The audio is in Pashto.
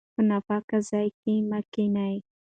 په ناپاکه ځای کې مه کښینئ.